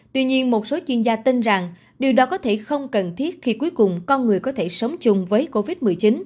tuy nhiên một số chuyên gia tin rằng điều đó có thể không cần thiết khi cuối cùng con người có thể sống chung với covid một mươi chín